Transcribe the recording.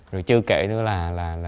rồi chưa kể nữa là